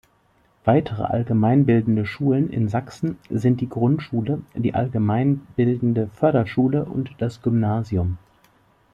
Weitere allgemeinbildende Schulen in Sachsen sind die Grundschule, die allgemeinbildende Förderschule und das Gymnasium.